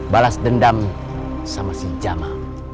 balas dendam sama si jamal